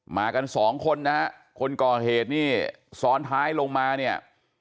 มากันสองคนนะฮะคนก่อเหตุนี่ซ้อนท้ายลงมาเนี่ย